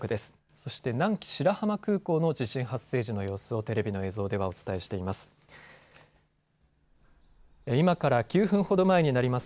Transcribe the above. そして南紀白浜空港の地震発生時の様子をテレビの映像ではお伝えしています。